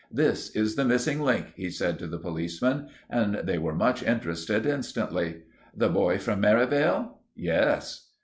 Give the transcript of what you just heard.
"This is the missing link," he said to the policemen, and they were much interested instantly. "The boy from Merivale?" "Yes."